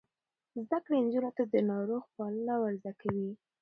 زده کړه نجونو ته د ناروغ پالنه ور زده کوي.